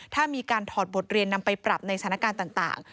ถ้ามีการถอดบทเรียนนำไปปรับในสถานการณ์ต่าง